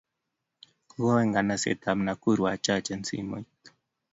Kakawe nganaset ab Nakuru acha simoit